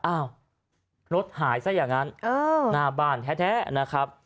อ้าวรถหายซะอย่างนั้นหน้าบ้านแท้นะครับ